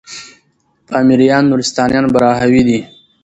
پامـــــیـــریــــان، نورســــتانــیان براهــــوی دی